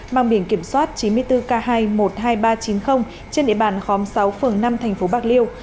mang biển kiểm soát chín mươi bốn k hai một mươi hai nghìn ba trăm chín mươi trên địa bàn khóm sáu phường năm thành phố bạc liêu